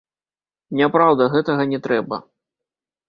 Няпраўда, гэтага не трэба.